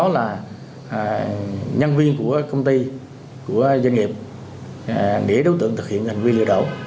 là nhân viên của công ty của doanh nghiệp để đối tượng thực hiện ảnh viên lừa đảo